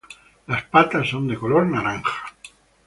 Las patas son de color naranja.